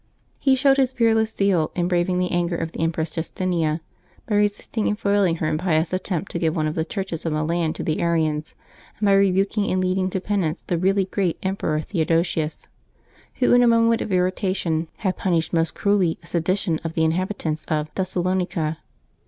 He showed his fearless zeal in braving the anger of the Empress Jus tina, by resisting and foiling her impious attempt to give one of the churches of Milan to the Arians, and by rebuk ing and leading to penance the really great Emperor Theo dosius, who in a moment of irritation had punished most cruelly a sedition of the inhabitants of Thessalonica.